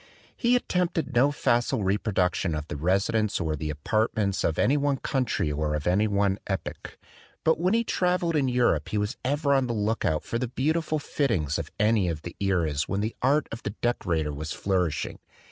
He attempted no facile repro duction of the residence or the apartments of any one country or of any one epoch; but when he travelled in Europe he was ever on the look out for the beautiful fittings of any of the eras when the art of the decorator was flourishing.